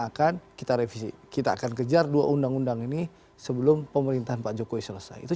akan kita revisi kita akan kejar dua undang undang ini sebelum pemerintahan pak jokowi selesai itu